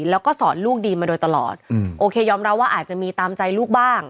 แล้วก็สอนลูกดีมาโดยตลอดโอเคยอมรับว่าอาจจะมีตามใจลูกบ้าง